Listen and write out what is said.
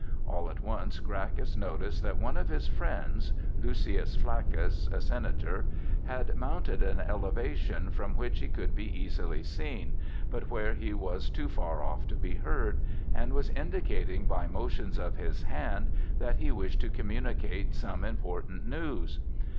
All at once Gracchus noticed that one of his friends, Lucius Flaccus, a Senator, had mounted an elevation from which he could be easily seen, but where he was too far off to be heard, and was indicating by motions of his hand that he wished to communicate some important news.